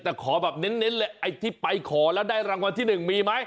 แต่ขอแบบเน้นเลยไอ้ที่ไปขอแล้วได้รางวัลที่๑มีไหม